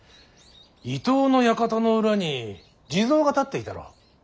伊東の館の裏に地蔵が立っていたろう。